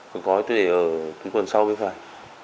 còn có thì tôi để ở túi quần sau bên phải